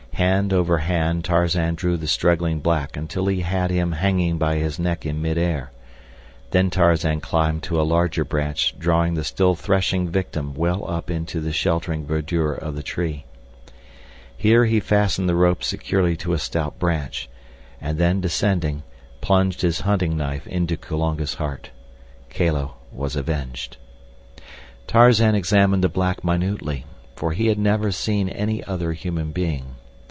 Hand over hand Tarzan drew the struggling black until he had him hanging by his neck in mid air; then Tarzan climbed to a larger branch drawing the still threshing victim well up into the sheltering verdure of the tree. Here he fastened the rope securely to a stout branch, and then, descending, plunged his hunting knife into Kulonga's heart. Kala was avenged. Tarzan examined the black minutely, for he had never seen any other human being.